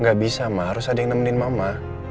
gak bisa mah harus ada yang nemenin mama